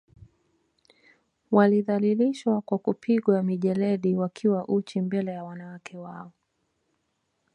Walidhalishwa kwa kupigwa mijeledi wakiwa uchi mbele ya wanawake wao